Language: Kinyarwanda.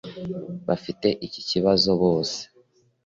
bafite iki kibazo bose